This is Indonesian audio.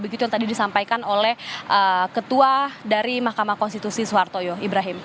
begitu yang tadi disampaikan oleh ketua dari mahkamah konstitusi suhartoyo ibrahim